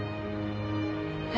え？